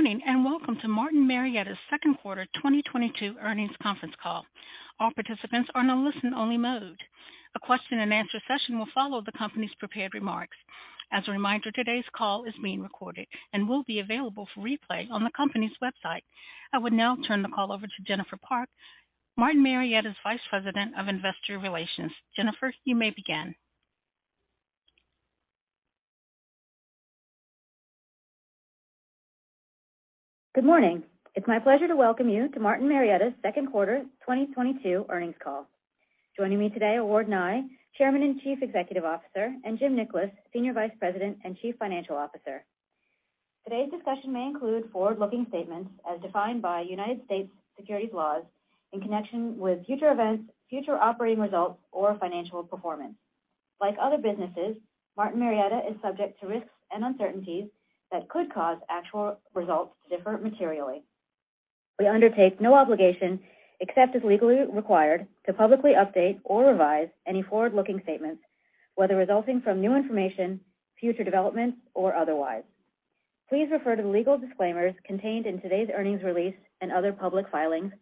Good morning, and welcome to Martin Marietta's Second Quarter 2022 Earnings Conference Call. All participants are in a listen only mode. A question-and-answer session will follow the company's prepared remarks. As a reminder, today's call is being recorded and will be available for replay on the company's website. I would now turn the call over to Jennifer Park, Martin Marietta's Vice President of Investor Relations. Jennifer, you may begin. Good morning. It's my pleasure to welcome you to Martin Marietta's Second Quarter 2022 Earnings Call. Joining me today are Ward Nye, Chairman and Chief Executive Officer, and Jim Nickolas, Executive Vice President and Chief Financial Officer. Today's discussion may include forward-looking statements as defined by United States securities laws in connection with future events, future operating results or financial performance. Like other businesses, Martin Marietta is subject to risks and uncertainties that could cause actual results to differ materially. We undertake no obligation, except as legally required, to publicly update or revise any forward-looking statements, whether resulting from new information, future developments or otherwise. Please refer to the legal disclaimers contained in today's earnings release and other public filings,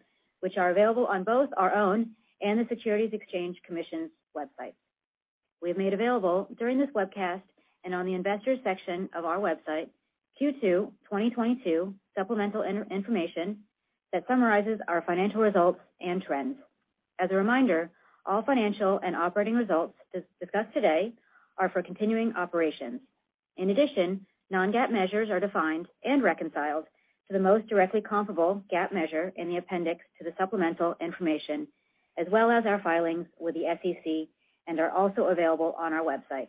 which are available on both our own and the Securities and Exchange Commission's website. We have made available during this webcast and on the Investors section of our website Q2 2022 supplemental information that summarizes our financial results and trends. As a reminder, all financial and operating results discussed today are for continuing operations. In addition, non-GAAP measures are defined and reconciled to the most directly comparable GAAP measure in the appendix to the supplemental information, as well as our filings with the SEC, and are also available on our website.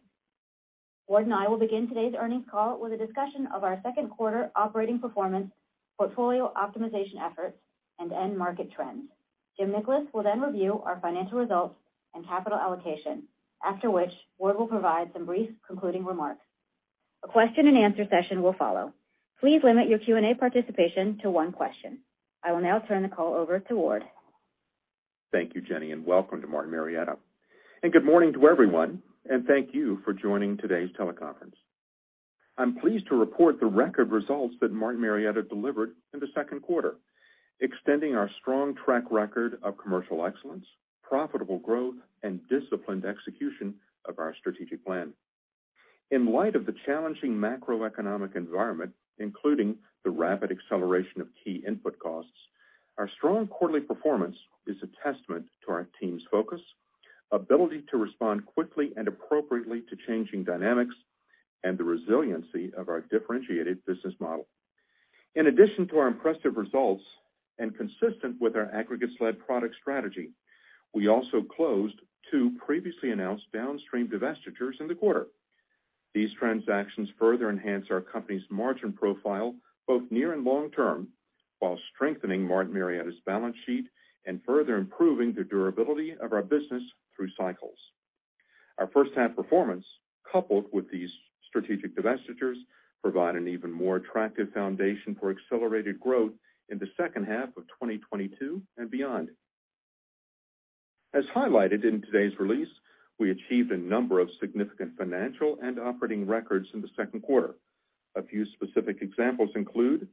Ward and I will begin today's earnings call with a discussion of our second quarter operating performance, portfolio optimization efforts, and end market trends. Jim Nickolas will then review our financial results and capital allocation, after which Ward will provide some brief concluding remarks. A question-and-answer session will follow. Please limit your Q&A participation to one question. I will now turn the call over to Ward. Thank you, Jennifer, and welcome to Martin Marietta. Good morning to everyone, and thank you for joining today's teleconference. I'm pleased to report the record results that Martin Marietta delivered in the second quarter, extending our strong track record of commercial excellence, profitable growth, and disciplined execution of our strategic plan. In light of the challenging macroeconomic environment, including the rapid acceleration of key input costs, our strong quarterly performance is a testament to our team's focus, ability to respond quickly and appropriately to changing dynamics, and the resiliency of our differentiated business model. In addition to our impressive results, and consistent with our aggregate-led product strategy, we also closed two previously announced downstream divestitures in the quarter. These transactions further enhance our company's margin profile both near and long term, while strengthening Martin Marietta's balance sheet and further improving the durability of our business through cycles. Our first half performance, coupled with these strategic divestitures, provide an even more attractive foundation for accelerated growth in the second half of 2022 and beyond. As highlighted in today's release, we achieved a number of significant financial and operating records in the second quarter. A few specific examples include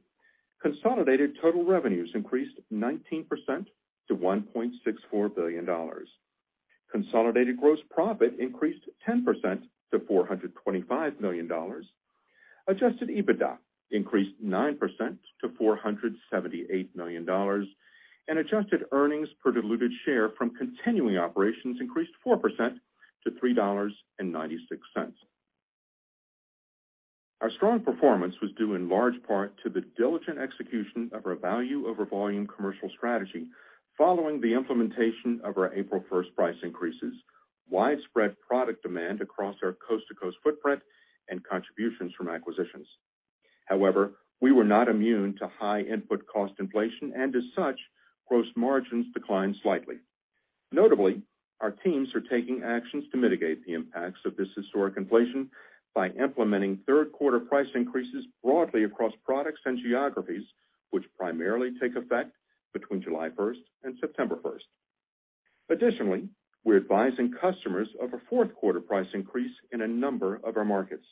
consolidated total revenues increased 19% to $1.64 billion. Consolidated gross profit increased 10% to $425 million. Adjusted EBITDA increased 9% to $478 million. Adjusted earnings per diluted share from continuing operations increased 4% to $3.96. Our strong performance was due in large part to the diligent execution of our value over volume commercial strategy following the implementation of our April 1st price increases, widespread product demand across our coast-to-coast footprint and contributions from acquisitions. However, we were not immune to high input cost inflation, and as such, gross margins declined slightly. Notably, our teams are taking actions to mitigate the impacts of this historic inflation by implementing third quarter price increases broadly across products and geographies, which primarily take effect between July 1st and September 1st. Additionally, we're advising customers of a fourth quarter price increase in a number of our markets.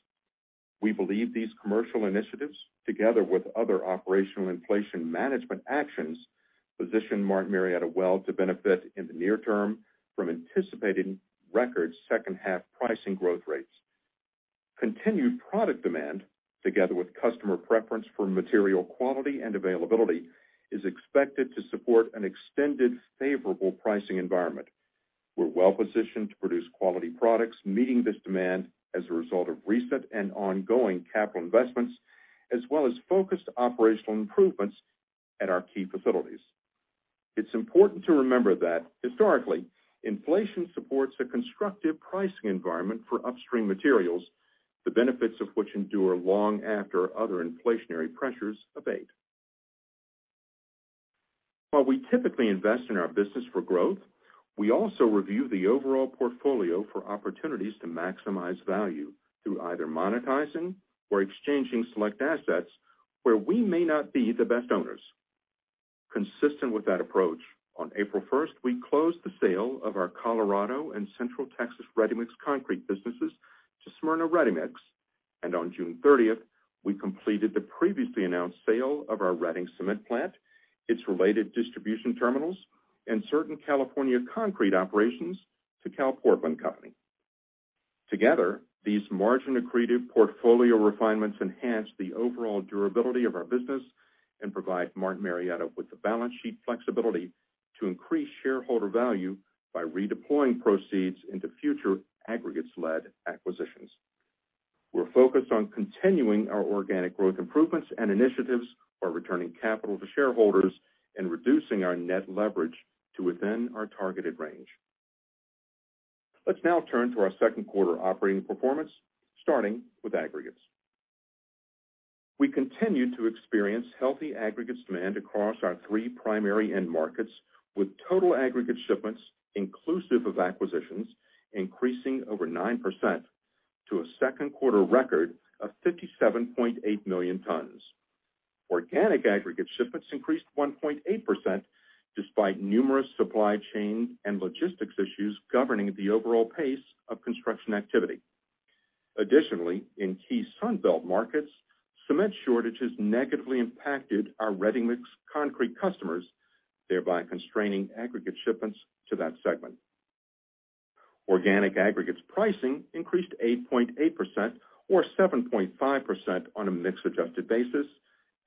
We believe these commercial initiatives, together with other operational inflation management actions, position Martin Marietta well to benefit in the near term from anticipating record second half pricing growth rates. Continued product demand, together with customer preference for material quality and availability, is expected to support an extended favorable pricing environment. We're well-positioned to produce quality products, meeting this demand as a result of recent and ongoing capital investments, as well as focused operational improvements at our key facilities. It's important to remember that historically, inflation supports a constructive pricing environment for upstream materials, the benefits of which endure long after other inflationary pressures abate. While we typically invest in our business for growth, we also review the overall portfolio for opportunities to maximize value through either monetizing or exchanging select assets where we may not be the best owners. Consistent with that approach, on April 1st, we closed the sale of our Colorado and Central Texas ready-mix concrete businesses to Smyrna Ready Mix. On June 30th, we completed the previously announced sale of our Redding cement plant, its related distribution terminals, and certain California concrete operations to CalPortland Company. Together, these margin-accretive portfolio refinements enhance the overall durability of our business and provide Martin Marietta with the balance sheet flexibility to increase shareholder value by redeploying proceeds into future aggregates-led acquisitions. We're focused on continuing our organic growth improvements and initiatives while returning capital to shareholders and reducing our net leverage to within our targeted range. Let's now turn to our second quarter operating performance, starting with aggregates. We continued to experience healthy aggregates demand across our three primary end markets, with total aggregate shipments inclusive of acquisitions increasing over 9% to a second quarter record of 57.8 million tons. Organic aggregate shipments increased 1.8% despite numerous supply chain and logistics issues governing the overall pace of construction activity. Additionally, in key Sun Belt markets, cement shortages negatively impacted our ready-mix concrete customers, thereby constraining aggregate shipments to that segment. Organic aggregates pricing increased 8.8% or 7.5% on a mix-adjusted basis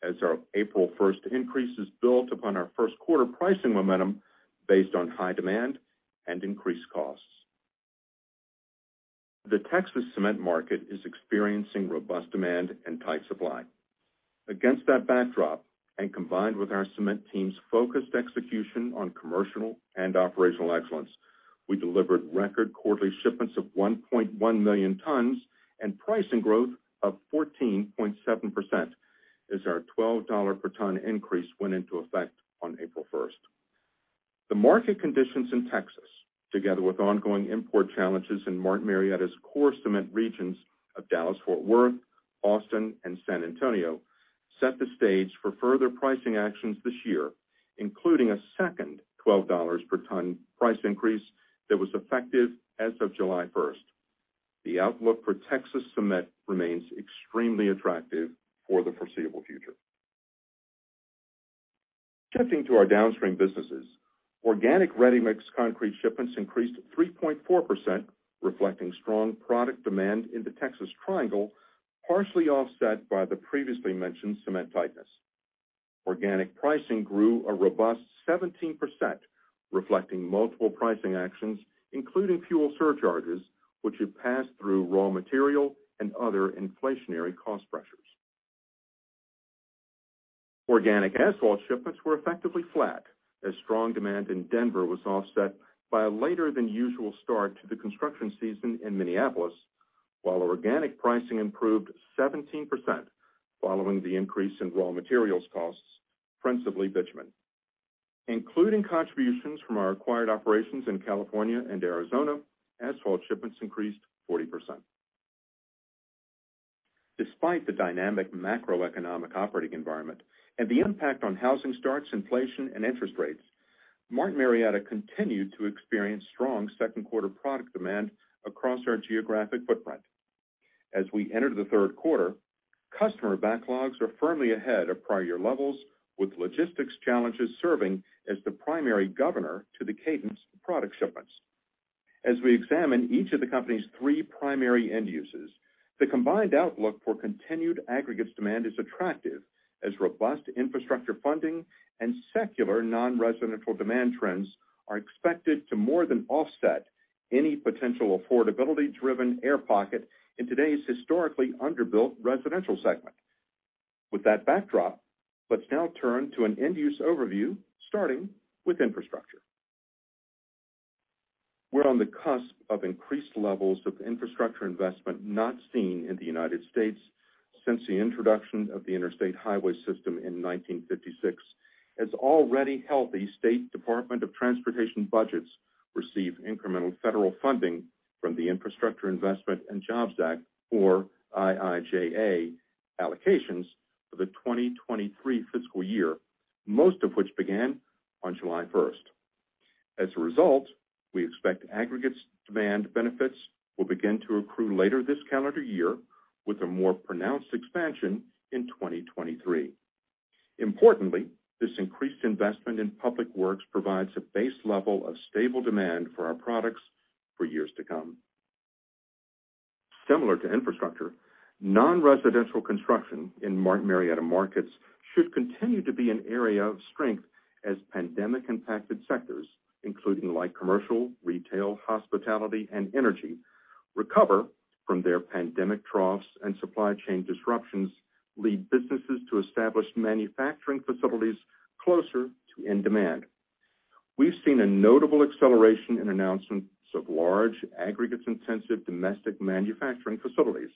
as our April 1st increases built upon our first quarter pricing momentum based on high demand and increased costs. The Texas cement market is experiencing robust demand and tight supply. Against that backdrop, and combined with our cement team's focused execution on commercial and operational excellence, we delivered record quarterly shipments of 1.1 million tons and pricing growth of 14.7% as our $12 per ton increase went into effect on April 1st. The market conditions in Texas, together with ongoing import challenges in Martin Marietta's core cement regions of Dallas-Fort Worth, Austin, and San Antonio, set the stage for further pricing actions this year, including a second $12 per ton price increase that was effective as of July 1st. The outlook for Texas cement remains extremely attractive for the foreseeable future. Shifting to our downstream businesses, organic ready-mix concrete shipments increased 3.4%, reflecting strong product demand in the Texas triangle, partially offset by the previously mentioned cement tightness. Organic pricing grew a robust 17%, reflecting multiple pricing actions, including fuel surcharges, which have passed through raw material and other inflationary cost pressures. Organic asphalt shipments were effectively flat as strong demand in Denver was offset by a later than usual start to the construction season in Minneapolis, while organic pricing improved 17% following the increase in raw materials costs, principally bitumen. Including contributions from our acquired operations in California and Arizona, asphalt shipments increased 40%. Despite the dynamic macroeconomic operating environment and the impact on housing starts, inflation, and interest rates, Martin Marietta continued to experience strong second quarter product demand across our geographic footprint. As we enter the third quarter, customer backlogs are firmly ahead of prior year levels, with logistics challenges serving as the primary governor to the cadence of product shipments. As we examine each of the company's three primary end uses, the combined outlook for continued aggregates demand is attractive as robust infrastructure funding and secular non-residential demand trends are expected to more than offset any potential affordability driven air pocket in today's historically underbuilt residential segment. With that backdrop, let's now turn to an end use overview, starting with infrastructure. We're on the cusp of increased levels of infrastructure investment not seen in the United States since the introduction of the Interstate Highway System in 1956. As already healthy state Department of Transportation budgets receive incremental federal funding from the Infrastructure Investment and Jobs Act, or IIJA, allocations for the 2023 fiscal year, most of which began on July 1st. As a result, we expect aggregates demand benefits will begin to accrue later this calendar year with a more pronounced expansion in 2023. Importantly, this increased investment in public works provides a base level of stable demand for our products for years to come. Similar to infrastructure, non-residential construction in Martin Marietta markets should continue to be an area of strength as pandemic impacted sectors, including light commercial, retail, hospitality, and energy, recover from their pandemic troughs and supply chain disruptions lead businesses to establish manufacturing facilities closer to end demand. We've seen a notable acceleration in announcements of large aggregates intensive domestic manufacturing facilities.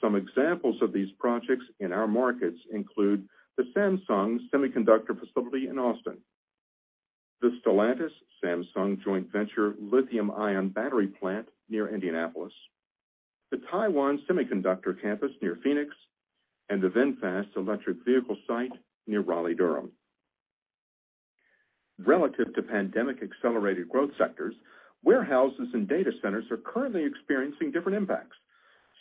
Some examples of these projects in our markets include the Samsung Semiconductor facility in Austin. The Stellantis-Samsung joint venture lithium-ion battery plant near Indianapolis, the Taiwan Semiconductor campus near Phoenix, and the VinFast electric vehicle site near Raleigh-Durham. Relative to pandemic accelerated growth sectors, warehouses and data centers are currently experiencing different impacts.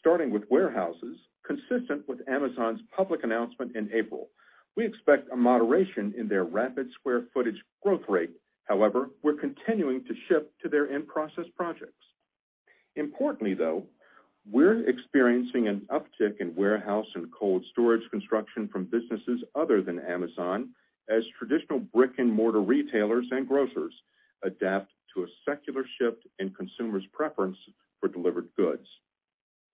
Starting with warehouses, consistent with Amazon's public announcement in April, we expect a moderation in their rapid square footage growth rate. However, we're continuing to ship to their in-process projects. Importantly, though, we're experiencing an uptick in warehouse and cold storage construction from businesses other than Amazon as traditional brick-and-mortar retailers and grocers adapt to a secular shift in consumers' preference for delivered goods.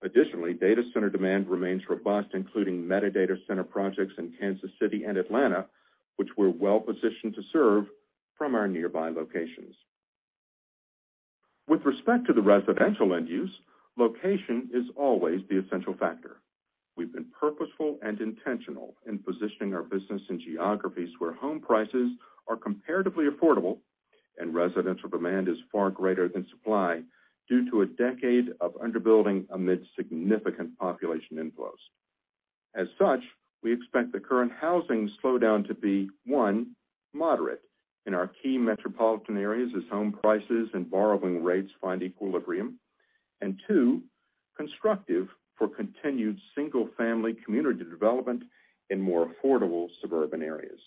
Additionally, data center demand remains robust, including mega data center projects in Kansas City and Atlanta, which we're well-positioned to serve from our nearby locations. With respect to the residential end use, location is always the essential factor. We've been purposeful and intentional in positioning our business in geographies where home prices are comparatively affordable and residential demand is far greater than supply due to a decade of underbuilding amid significant population inflows. As such, we expect the current housing slowdown to be, one, moderate in our key metropolitan areas as home prices and borrowing rates find equilibrium, and two, constructive for continued single-family community development in more affordable suburban areas.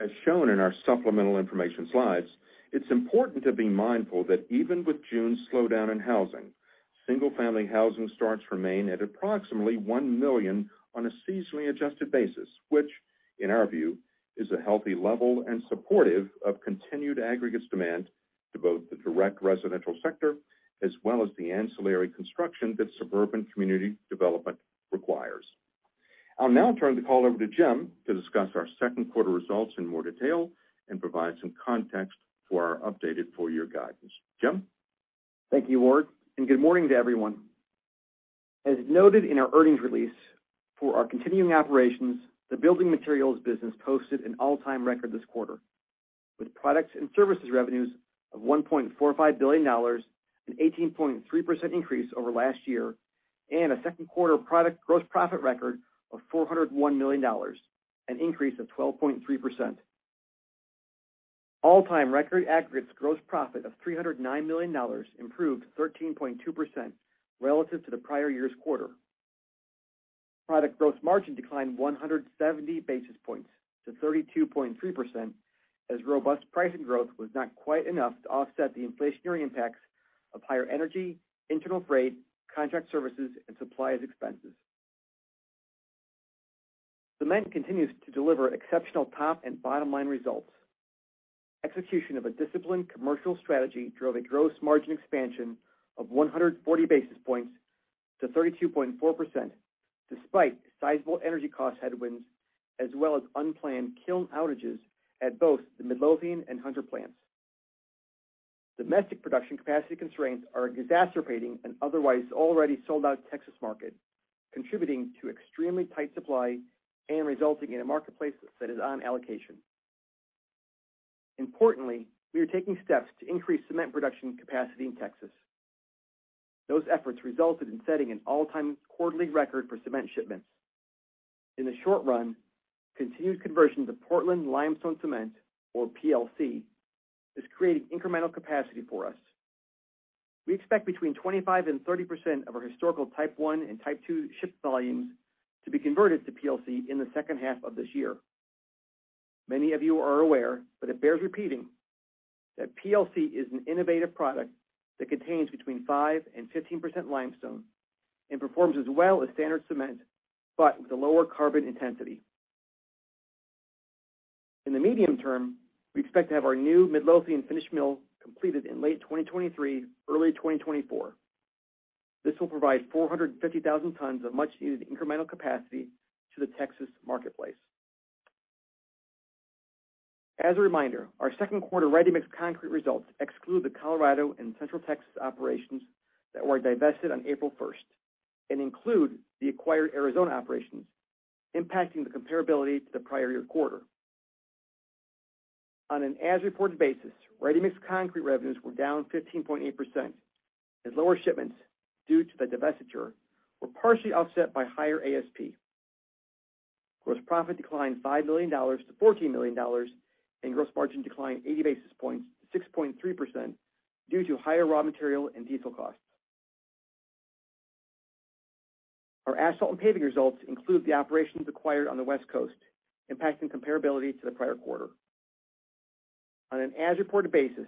As shown in our supplemental information slides, it's important to be mindful that even with June's slowdown in housing, single-family housing starts remain at approximately one million on a seasonally adjusted basis, which, in our view, is a healthy level and supportive of continued aggregates demand to both the direct residential sector as well as the ancillary construction that suburban community development requires. I'll now turn the call over to Jim to discuss our second quarter results in more detail and provide some context for our updated full-year guidance. Jim? Thank you, Ward, and good morning to everyone. As noted in our earnings release, for our continuing operations, the building materials business posted an all-time record this quarter, with products and services revenues of $1.45 billion, an 18.3% increase over last year, and a second quarter product gross profit record of $401 million, an increase of 12.3%. All-time record aggregates gross profit of $309 million improved 13.2% relative to the prior year's quarter. Product gross margin declined 170 basis points to 32.3% as robust pricing growth was not quite enough to offset the inflationary impacts of higher energy, internal freight, contract services, and supplies expenses. Cement continues to deliver exceptional top and bottom line results. Execution of a disciplined commercial strategy drove a gross margin expansion of 140 basis points to 32.4%, despite sizable energy cost headwinds as well as unplanned kiln outages at both the Midlothian and Hunter plants. Domestic production capacity constraints are exacerbating an otherwise already sold-out Texas market, contributing to extremely tight supply and resulting in a marketplace that is on allocation. Importantly, we are taking steps to increase cement production capacity in Texas. Those efforts resulted in setting an all-time quarterly record for cement shipments. In the short run, continued conversion to Portland Limestone Cement, or PLC, is creating incremental capacity for us. We expect between 25% and 30% of our historical Type I and Type II ship volumes to be converted to PLC in the second half of this year. Many of you are aware, but it bears repeating, that PLC is an innovative product that contains between 5% and 15% limestone and performs as well as standard cement, but with a lower carbon intensity. In the medium term, we expect to have our new Midlothian finish mill completed in late 2023, early 2024. This will provide 450,000 tons of much-needed incremental capacity to the Texas marketplace. As a reminder, our second quarter ready-mix concrete results exclude the Colorado and Central Texas operations that were divested on April 1st and include the acquired Arizona operations, impacting the comparability to the prior year quarter. On an as-reported basis, ready-mix concrete revenues were down 15.8%, as lower shipments due to the divestiture were partially offset by higher ASP. Gross profit declined $5 million-$14 million, and gross margin declined 80 basis points to 6.3% due to higher raw material and diesel costs. Our asphalt and paving results include the operations acquired on the West Coast, impacting comparability to the prior quarter. On an as-reported basis,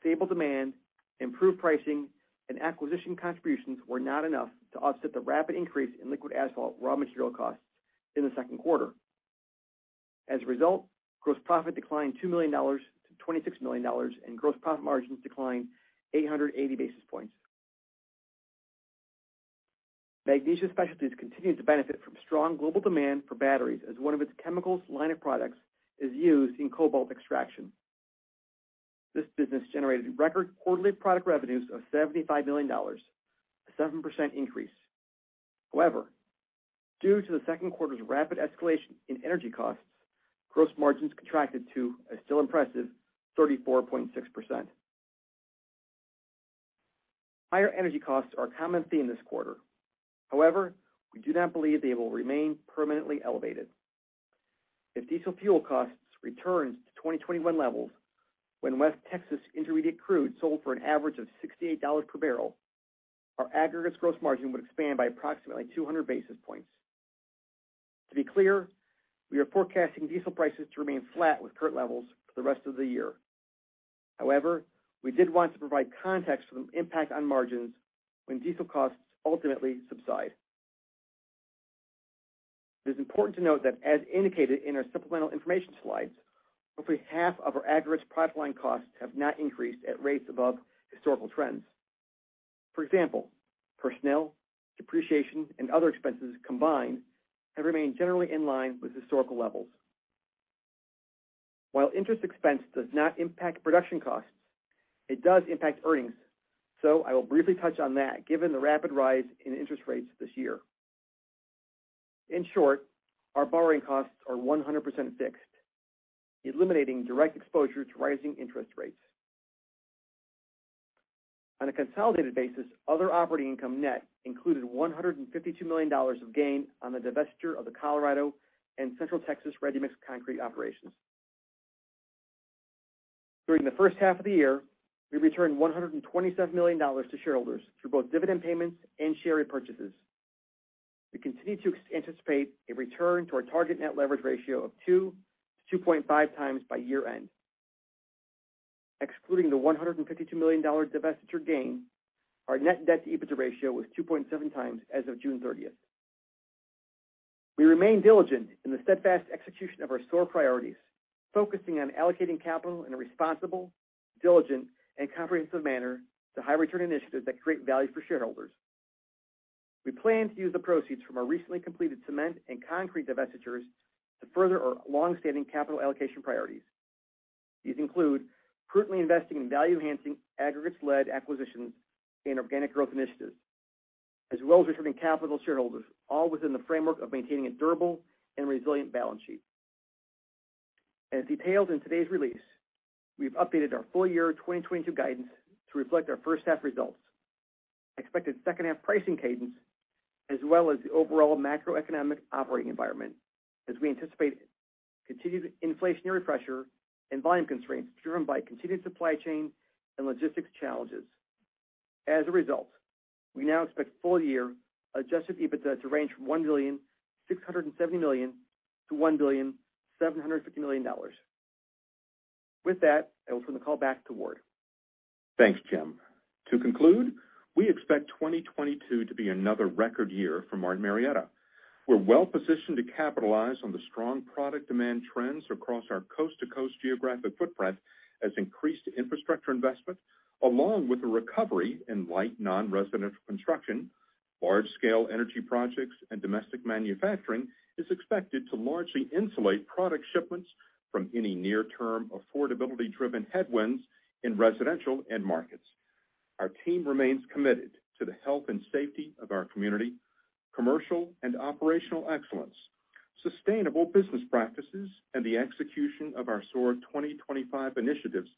stable demand, improved pricing, and acquisition contributions were not enough to offset the rapid increase in liquid asphalt raw material costs in the second quarter. As a result, gross profit declined $2 million-$26 million, and gross profit margins declined 880 basis points. Magnesia Specialties continues to benefit from strong global demand for batteries as one of its chemicals line of products is used in cobalt extraction. This business generated record quarterly product revenues of $75 million, a 7% increase. However, due to the second quarter's rapid escalation in energy costs, gross margins contracted to a still impressive 34.6%. Higher energy costs are a common theme this quarter. However, we do not believe they will remain permanently elevated. If diesel fuel costs return to 2021 levels, when West Texas Intermediate crude sold for an average of $68 per barrel, our aggregates gross margin would expand by approximately 200 basis points. To be clear, we are forecasting diesel prices to remain flat with current levels for the rest of the year. However, we did want to provide context for the impact on margins when diesel costs ultimately subside. It is important to note that as indicated in our supplemental information slides, roughly half of our aggregates pipeline costs have not increased at rates above historical trends. For example, personnel, depreciation, and other expenses combined have remained generally in line with historical levels. While interest expense does not impact production costs, it does impact earnings. I will briefly touch on that given the rapid rise in interest rates this year. In short, our borrowing costs are 100% fixed, eliminating direct exposure to rising interest rates. On a consolidated basis, other operating income net included $152 million of gain on the divestiture of the Colorado and Central Texas ready-mix concrete operations. During the first half of the year, we returned $127 million to shareholders through both dividend payments and share repurchases. We continue to anticipate a return to our target net leverage ratio of 2-2.5x by year-end. Excluding the $152 million divestiture gain, our net debt-to-EBITDA ratio was 2.7x as of June 30th. We remain diligent in the steadfast execution of our SOAR priorities, focusing on allocating capital in a responsible, diligent, and comprehensive manner to high return initiatives that create value for shareholders. We plan to use the proceeds from our recently completed cement and concrete divestitures to further our long-standing capital allocation priorities. These include prudently investing in value-enhancing aggregates-led acquisitions and organic growth initiatives, as well as returning capital to shareholders, all within the framework of maintaining a durable and resilient balance sheet. As detailed in today's release, we've updated our full year 2022 guidance to reflect our first half results, expected second half pricing cadence, as well as the overall macroeconomic operating environment, as we anticipate continued inflationary pressure and volume constraints driven by continued supply chain and logistics challenges. As a result, we now expect full year adjusted EBITDA to range from $1.67 billion-$1.75 billion. With that, I will turn the call back to Ward. Thanks, Jim. To conclude, we expect 2022 to be another record year for Martin Marietta. We're well positioned to capitalize on the strong product demand trends across our coast-to-coast geographic footprint as increased infrastructure investment, along with the recovery in light non-residential construction, large scale energy projects, and domestic manufacturing is expected to largely insulate product shipments from any near term affordability driven headwinds in residential end markets. Our team remains committed to the health and safety of our community, commercial and operational excellence, sustainable business practices, and the execution of our SOAR 2025 initiatives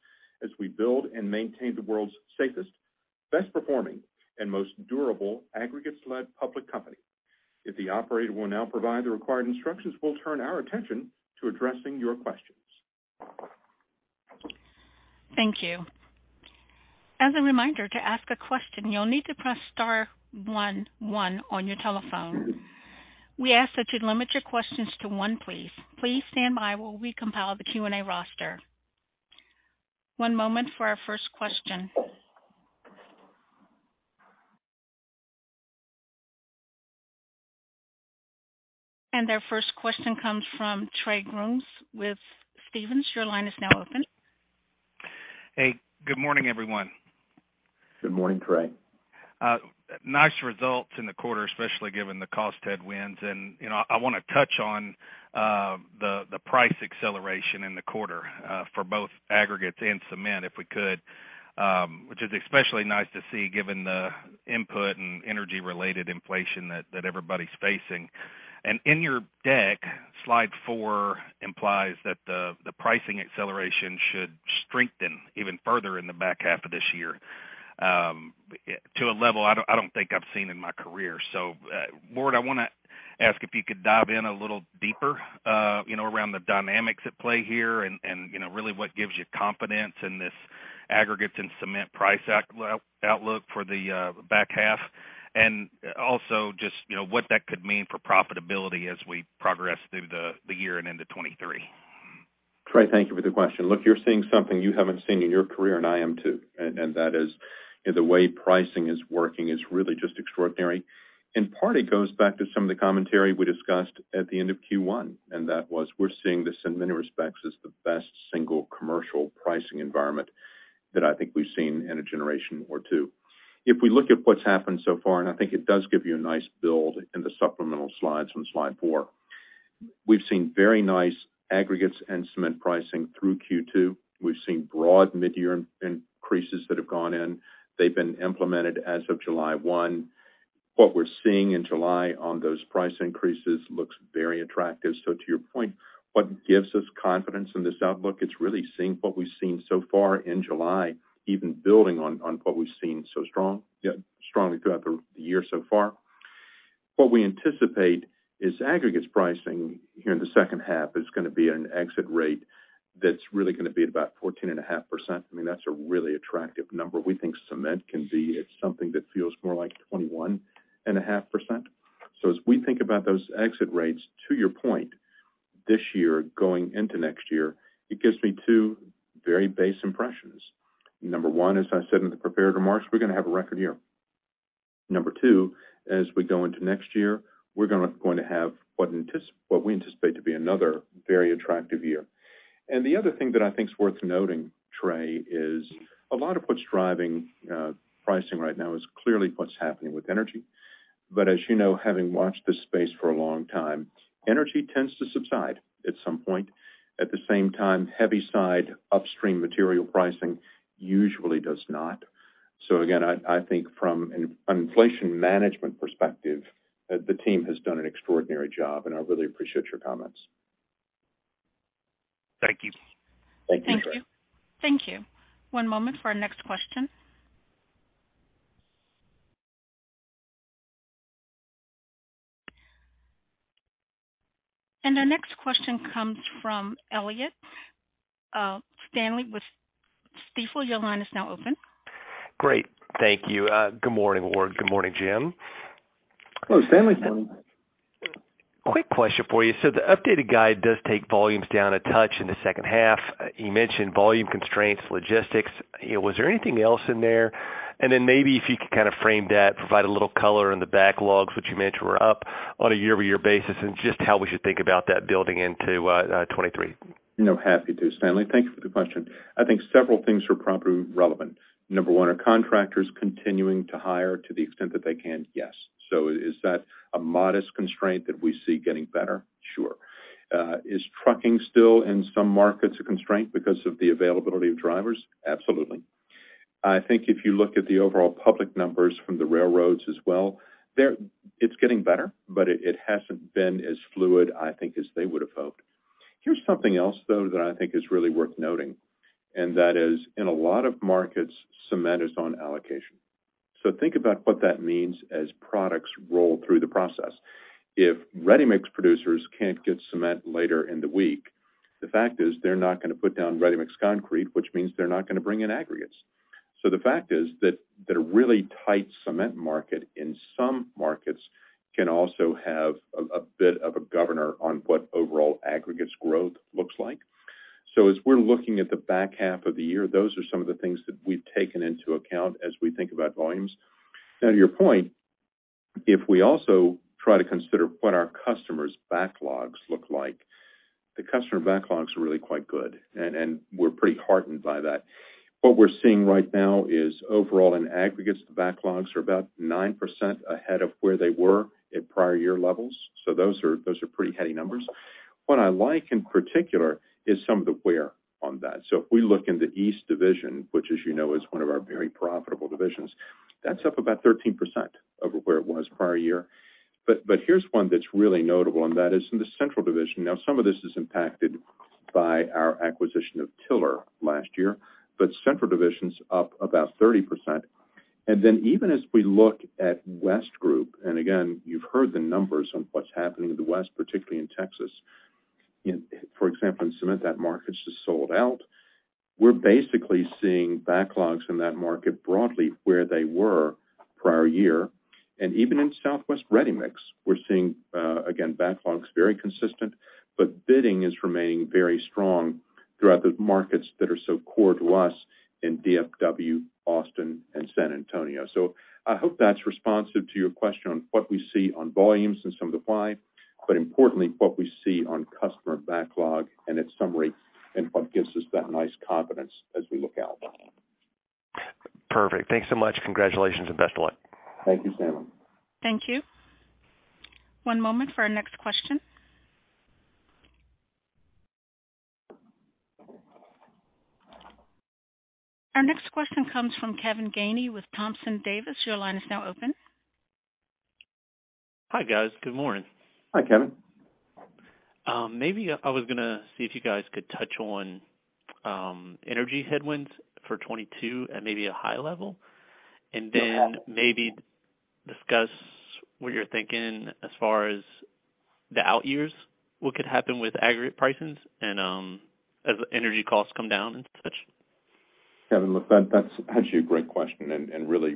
as we build and maintain the world's safest, best performing, and most durable aggregates-led public company. If the operator will now provide the required instructions, we'll turn our attention to addressing your questions. Thank you. As a reminder, to ask a question, you'll need to press star one one on your telephone. We ask that you limit your questions to one please. Please stand by while we compile the Q&A roster. One moment for our first question. Our first question comes from Trey Grooms with Stephens. Your line is now open. Hey, good morning, everyone. Good morning, Trey. Nice results in the quarter, especially given the cost headwinds. You know, I wanna touch on the price acceleration in the quarter for both aggregates and cement, if we could, which is especially nice to see given the input and energy related inflation that everybody's facing. In your deck, slide four implies that the pricing acceleration should strengthen even further in the back half of this year to a level I don't think I've seen in my career. Ward, I wanna ask if you could dive in a little deeper, you know, around the dynamics at play here and really what gives you confidence in this aggregates and cement price outlook for the back half. Also just, you know, what that could mean for profitability as we progress through the year and into 2023. Trey, thank you for the question. Look, you're seeing something you haven't seen in your career, and I am too, and that is the way pricing is working is really just extraordinary. In part, it goes back to some of the commentary we discussed at the end of Q1, and that was we're seeing this in many respects as the best single commercial pricing environment that I think we've seen in a generation or two. If we look at what's happened so far, and I think it does give you a nice build in the supplemental slides from slide four. We've seen very nice aggregates and cement pricing through Q2. We've seen broad midyear increases that have gone in. They've been implemented as of July 1. What we're seeing in July on those price increases looks very attractive. To your point, what gives us confidence in this outlook, it's really seeing what we've seen so far in July, even building on what we've seen strongly throughout the year so far. What we anticipate is aggregates pricing here in the second half is gonna be an exit rate that's really gonna be about 14.5%. I mean, that's a really attractive number. We think cement can be at something that feels more like 21.5%. As we think about those exit rates, to your point, this year going into next year, it gives me two very base impressions. Number one, as I said in the prepared remarks, we're gonna have a record year. Number two, as we go into next year, we're going to have what we anticipate to be another very attractive year. The other thing that I think is worth noting, Trey, is a lot of what's driving pricing right now is clearly what's happening with energy. As you know, having watched this space for a long time, energy tends to subside at some point. At the same time, heavy side upstream material pricing usually does not. Again, I think from an inflation management perspective, the team has done an extraordinary job, and I really appreciate your comments. Thank you. Thank you, Trey. Thank you. One moment for our next question. Our next question comes from Stanley Elliott with Stifel. Your line is now open. Great. Thank you. Good morning, Ward. Good morning, Jim. Hello, Stanley. Quick question for you. The updated guide does take volumes down a touch in the second half. You mentioned volume constraints, logistics. Was there anything else in there? Maybe if you could kind of frame that, provide a little color in the backlogs, which you mentioned were up on a year-over-year basis, and just how we should think about that building into 2023. No, happy to, Stanley. Thank you for the question. I think several things are probably relevant. Number one, are contractors continuing to hire to the extent that they can? Yes. Is that a modest constraint that we see getting better? Sure. Is trucking still in some markets a constraint because of the availability of drivers? Absolutely. I think if you look at the overall public numbers from the railroads as well, they're getting better, but it hasn't been as fluid, I think, as they would have hoped. Here's something else, though, that I think is really worth noting, and that is, in a lot of markets, cement is on allocation. Think about what that means as products roll through the process. If ready-mix producers can't get cement later in the week, the fact is they're not gonna put down ready-mix concrete, which means they're not gonna bring in aggregates. The fact is that the really tight cement market in some markets can also have a bit of a governor on what overall aggregates growth looks like. As we're looking at the back half of the year, those are some of the things that we've taken into account as we think about volumes. Now to your point, if we also try to consider what our customers' backlogs look like, the customer backlogs are really quite good, and we're pretty heartened by that. What we're seeing right now is overall in aggregates, the backlogs are about 9% ahead of where they were at prior year levels. Those are pretty heady numbers. What I like in particular is some of the growth on that. If we look in the East Division, which, as you know, is one of our very profitable divisions, that's up about 13% over where it was prior year. Here's one that's really notable, and that is in the Central Division. Some of this is impacted by our acquisition of Tiller last year, but Central Division's up about 30%. Even as we look at West Group, and again, you've heard the numbers on what's happening in the West, particularly in Texas. For example, in cement, that market's just sold out. We're basically seeing backlogs in that market broadly where they were prior year. Even in Southwest Ready Mix, we're seeing, again, backlogs very consistent, but bidding is remaining very strong throughout the markets that are so core to us in DFW, Austin, and San Antonio. I hope that's responsive to your question on what we see on volumes and some of the why, but importantly, what we see on customer backlog and at some rates and what gives us that nice confidence as we look out. Perfect. Thanks so much. Congratulations and best of luck. Thank you, Stanley. Thank you. One moment for our next question. Our next question comes from Kevin Gainey with Thompson Davis. Your line is now open. Hi, guys. Good morning. Hi, Kevin. Maybe I was gonna see if you guys could touch on energy headwinds for 2022 at maybe a high level, and then maybe discuss what you're thinking as far as the out years, what could happen with aggregate prices and as energy costs come down and such. Kevin, look, that's actually a great question and really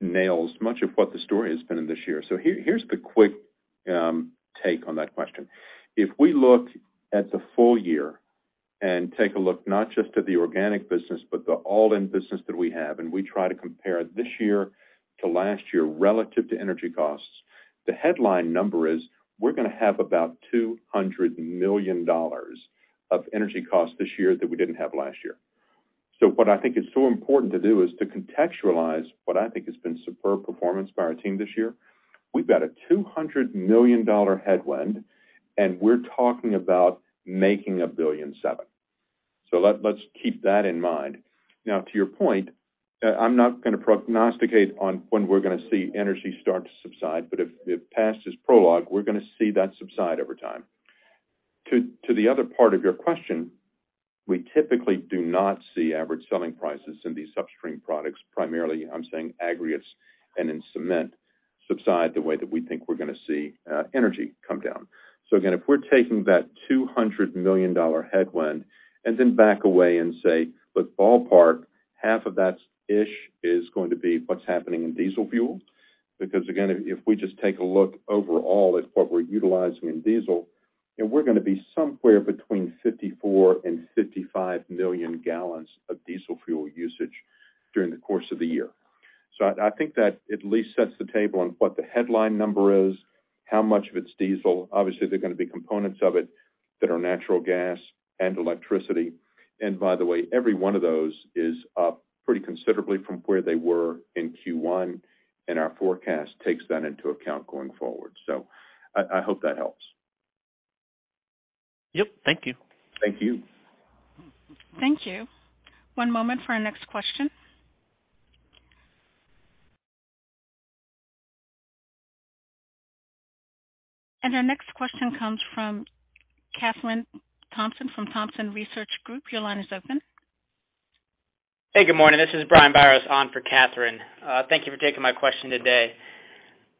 nails much of what the story has been in this year. Here's the quick take on that question. If we look at the full year and take a look not just at the organic business, but the all-in business that we have, and we try to compare this year to last year relative to energy costs, the headline number is we're gonna have about $200 million of energy costs this year that we didn't have last year. What I think is so important to do is to contextualize what I think has been superb performance by our team this year. We've got a $200 million headwind, and we're talking about making $1.007 billion. Let's keep that in mind. Now to your point, I'm not gonna prognosticate on when we're gonna see energy start to subside, but if past is prologue, we're gonna see that subside over time. To the other part of your question, we typically do not see average selling prices in these upstream products, primarily I'm saying aggregates and in cement, subside the way that we think we're gonna see energy come down. Again, if we're taking that $200 million headwind and then back away and say, look, ballpark half of that-ish is going to be what's happening in diesel fuel. Because again, if we just take a look overall at what we're utilizing in diesel, and we're gonna be somewhere between 54 and 55 million gal of diesel fuel usage during the course of the year. I think that at least sets the table on what the headline number is, how much of it's diesel. Obviously, they're gonna be components of it that are natural gas and electricity. By the way, every one of those is up pretty considerably from where they were in Q1, and our forecast takes that into account going forward. I hope that helps. Yep. Thank you. Thank you. Thank you. One moment for our next question. Our next question comes from Kathryn Thompson from Thompson Research Group. Your line is open. Hey, good morning. This is Brian Biros on for Kathryn. Thank you for taking my question today.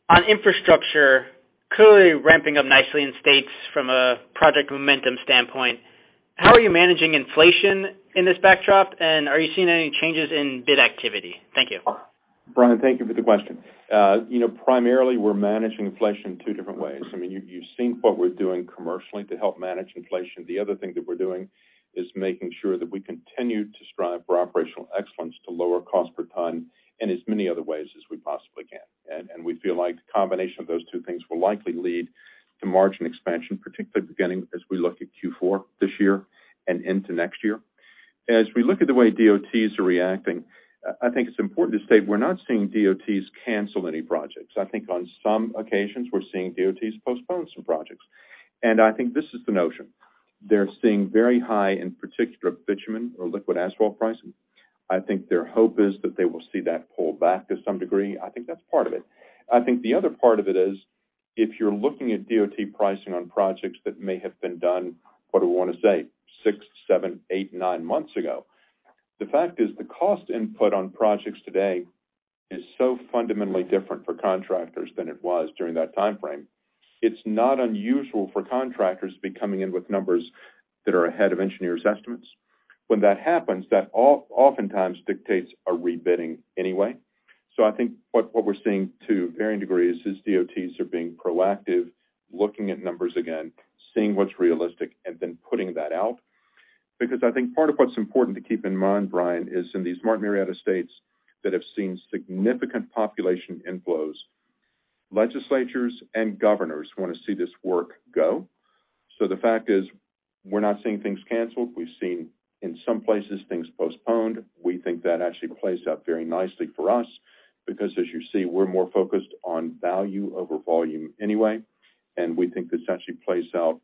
On infrastructure, clearly ramping up nicely in states from a project momentum standpoint. How are you managing inflation in this backdrop, and are you seeing any changes in bid activity? Thank you. Brian, thank you for the question. You know, primarily we're managing inflation two different ways. I mean, you've seen what we're doing commercially to help manage inflation. The other thing that we're doing is making sure that we continue to strive for operational excellence to lower cost per ton in as many other ways as we possibly can. We feel like the combination of those two things will likely lead to margin expansion, particularly beginning as we look at Q4 this year and into next year. As we look at the way DOTs are reacting, I think it's important to state we're not seeing DOTs cancel any projects. I think on some occasions we're seeing DOTs postpone some projects. I think this is the notion. They're seeing very high, in particular, bitumen or liquid asphalt pricing. I think their hope is that they will see that pull back to some degree. I think that's part of it. I think the other part of it is, if you're looking at DOT pricing on projects that may have been done, what do we wanna say, six, seven, eight, nine months ago, the fact is the cost input on projects today is so fundamentally different for contractors than it was during that timeframe. It's not unusual for contractors to be coming in with numbers that are ahead of engineers' estimates. When that happens, that oftentimes dictates a rebidding anyway. I think what we're seeing to varying degrees is DOTs are being proactive, looking at numbers again, seeing what's realistic, and then putting that out. Because I think part of what's important to keep in mind, Brian, is in these Martin Marietta states that have seen significant population inflows, legislatures and governors wanna see this work go. The fact is we're not seeing things canceled. We've seen in some places things postponed. We think that actually plays out very nicely for us because as you see, we're more focused on value over volume anyway, and we think this actually plays out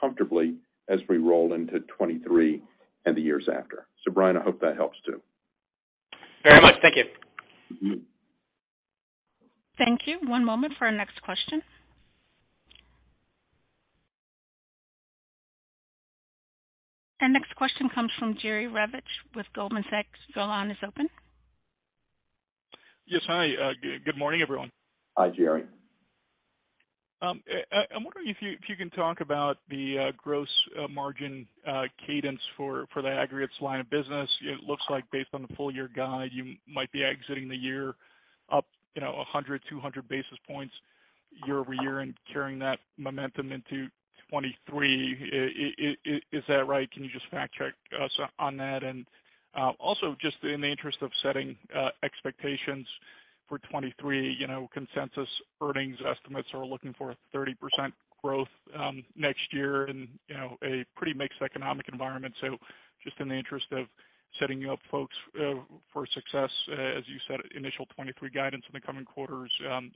comfortably as we roll into 2023 and the years after. Brian, I hope that helps too. Very much. Thank you. Mm-hmm. Thank you. One moment for our next question. Our next question comes from Jerry Revich with Goldman Sachs. Your line is open. Yes. Hi. Good morning, everyone. Hi, Jerry. I'm wondering if you can talk about the gross margin cadence for the aggregates line of business. It looks like based on the full-year guide, you might be exiting the year up, you know, 100-200 basis points year-over-year and carrying that momentum into 2023. Is that right? Can you just fact check us on that? Also just in the interest of setting expectations for 2023, you know, consensus earnings estimates are looking for a 30% growth next year and, you know, a pretty mixed economic environment. Just in the interest of setting up folks for success, as you said, initial 2023 guidance in the coming quarters,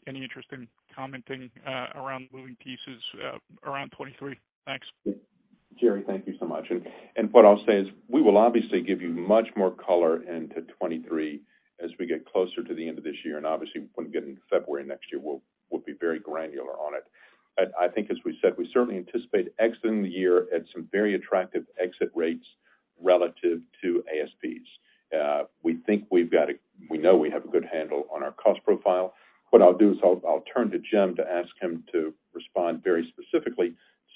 any interest in commenting around moving pieces around 2023? Thanks. Jerry Revich, thank you so much. What I'll say is we will obviously give you much more color into 2023 as we get closer to the end of this year, and obviously when we get into February next year, we'll be very granular on it. I think as we said, we certainly anticipate exiting the year at some very attractive exit rates relative to ASPs. We think we know we have a good handle on our cost profile. What I'll do is I'll turn to Jim Nickolas to ask him to respond very specifically to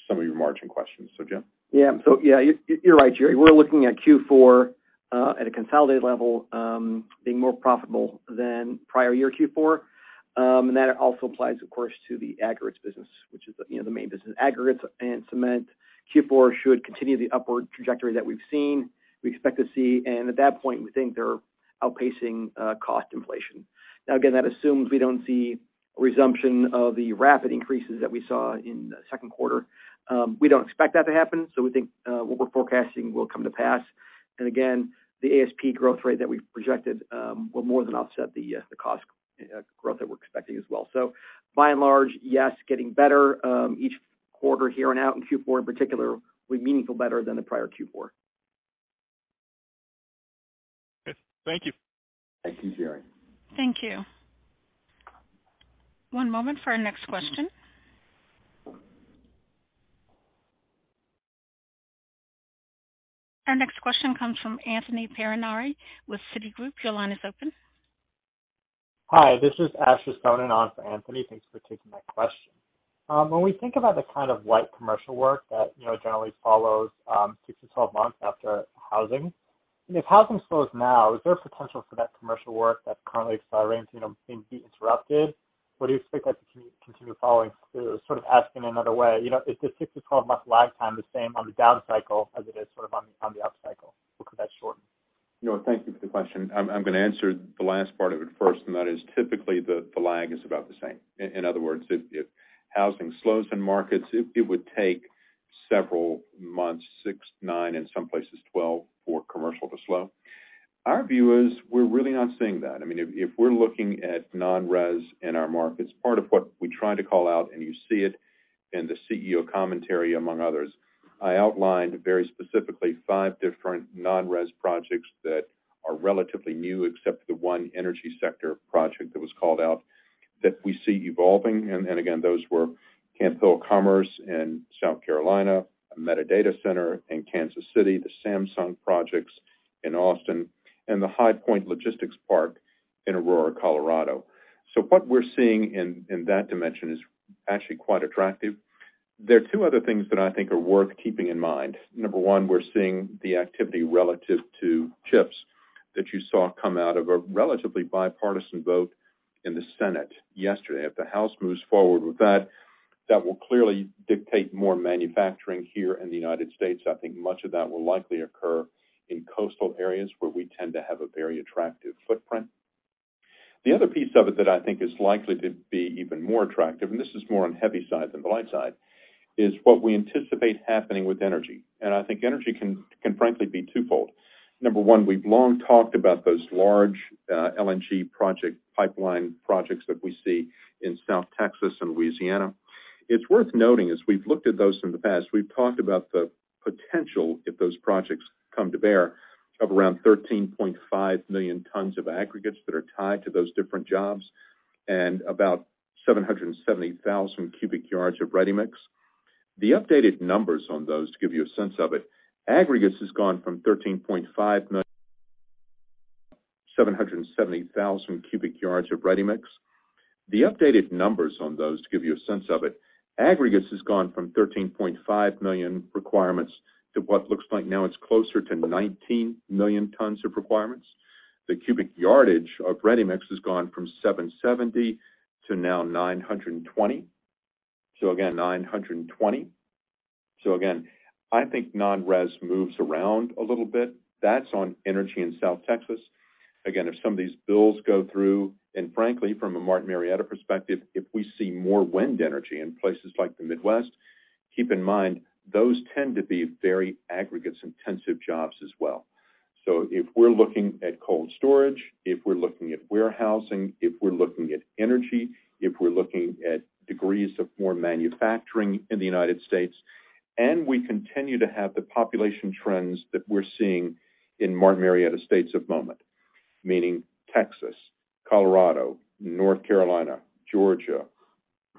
some of your margin questions. Jim? Yeah. Yeah, you're right, Jerry. We're looking at Q4 at a consolidated level being more profitable than prior year Q4. That also applies, of course, to the aggregates business, which is the main business. Aggregates and cement Q4 should continue the upward trajectory that we've seen we expect to see. At that point, we think they're outpacing cost inflation. Now, again, that assumes we don't see a resumption of the rapid increases that we saw in the second quarter. We don't expect that to happen, so we think what we're forecasting will come to pass. Again, the ASP growth rate that we've projected will more than offset the cost growth that we're expecting as well. By and large, yes, getting better each quarter here on out. In Q4 in particular, we're meaningfully better than the prior Q4. Okay. Thank you. Thank you, Jerry. Thank you. One moment for our next question. Our next question comes from Anthony Pettinari with Citigroup. Your line is open. Hi, this is Asher Sohnen in for Anthony. Thanks for taking my question. When we think about the kind of light commercial work that, you know, generally follows six to 12 months after housing, and if housing slows now, is there a potential for that commercial work that's currently accelerating being interrupted? Or do you expect that to continue following? Sort of asking another way, you know, is the six to 12 months lag time the same on the down cycle as it is sort of on the up cycle or could that shorten? No, thank you for the question. I'm gonna answer the last part of it first, and that is typically the lag is about the same. In other words, if housing slows in markets, it would take several months, six, nine, in some places 12 for commercial to slow. Our view is we're really not seeing that. I mean, if we're looking at non-res in our markets, part of what we try to call out, and you see it in the CEO commentary among others, I outlined very specifically five different non-res projects that are relatively new except the one energy sector project that was called out that we see evolving. Again, those were Camp Hall Commerce Park in South Carolina, a mega data center in Kansas City, the Samsung projects in Austin, and the High Point Logistics Park in Aurora, Colorado. What we're seeing in that dimension is actually quite attractive. There are two other things that I think are worth keeping in mind. Number one, we're seeing the activity relative to chips that you saw come out of a relatively bipartisan vote in the Senate yesterday. If the House moves forward with that will clearly dictate more manufacturing here in the United States. I think much of that will likely occur in coastal areas where we tend to have a very attractive footprint. The other piece of it that I think is likely to be even more attractive, and this is more on heavy side than the light side, is what we anticipate happening with energy. I think energy can frankly be twofold. Number one, we've long talked about those large LNG project pipeline projects that we see in South Texas and Louisiana. It's worth noting, as we've looked at those in the past, we've talked about the potential, if those projects come to bear, of around 13.5 million tons of aggregates that are tied to those different jobs, and about 770,000 cu yd of ready-mix. The updated numbers on those, to give you a sense of it, aggregates has gone from 13.5 million requirements to what looks like now it's closer to 19 million tons of requirements. The cubic yardage of ready-mix has gone from 770 to now 920. So again, I think non-res moves around a little bit. That's on energy in South Texas. Again, if some of these bills go through, and frankly, from a Martin Marietta perspective, if we see more wind energy in places like the Midwest, keep in mind, those tend to be very aggregates intensive jobs as well. If we're looking at cold storage, if we're looking at warehousing, if we're looking at energy, if we're looking at degrees of more manufacturing in the United States, and we continue to have the population trends that we're seeing in Martin Marietta states of the moment, meaning Texas, Colorado, North Carolina, Georgia,